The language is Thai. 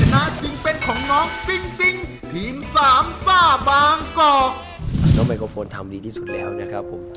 น้องไมเคอร์โฟนทำดีที่สุดแล้วนะครับผม